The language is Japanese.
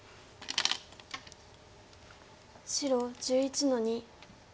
白１１の二。